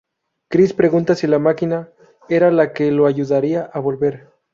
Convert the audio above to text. Chris pregunta si la máquina, era la que lo ayudaría a volver.